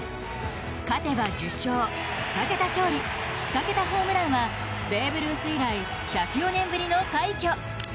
勝てば１０勝２桁勝利、２桁ホームランはベーブ・ルース以来１０４年ぶりの快挙。